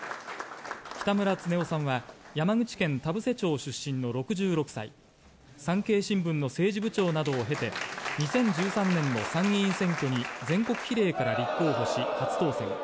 北村経夫さんは山口県田布施町出身の６６歳産経新聞の政治部長などを経て２０１３年の参議院選挙に全国比例から立候補し初当選。